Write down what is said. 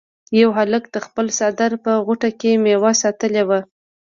یو هلک د خپل څادر په غوټه کې میوه ساتلې وه.